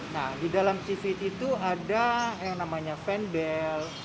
nah di dalam cvt itu ada yang namanya fanbell